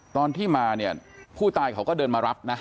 ตอนที่มาเนี่ยผู้ตายเขาก็เดินมารับนะ